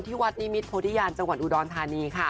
วัดนิมิตโพธิญาณจังหวัดอุดรธานีค่ะ